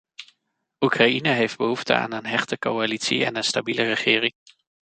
Oekraïne heeft behoefte aan een hechte coalitie en een stabiele regering.